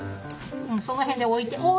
その辺で置いて。